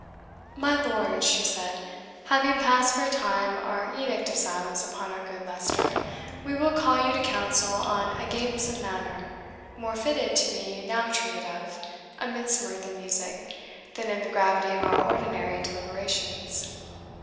"My lords," she said, "having passed for a time our edict of silence upon our good Leicester, we will call you to counsel on a gamesome matter, more fitted to be now treated of, amidst mirth and music, than in the gravity of our ordinary deliberations.